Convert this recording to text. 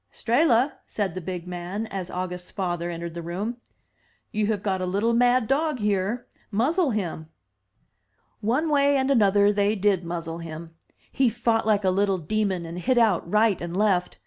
"Strehla," said the big man, as August's father entered the room, "you have got a little mad dog here: muzzle him." 295 MY BOOK HOUSE One way and another they did muzzle him. He fought like a little demon, and hit out right and left.